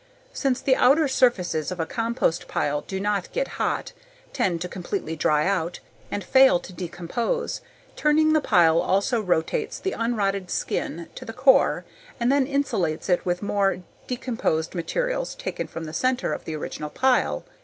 Since the outer surfaces of a compost pile do not get hot, tend to completely dry out, and fail to decompose, turning the pile also rotates the unrotted skin to the core and then insulates it with more decomposed material taken from the center of the original pile.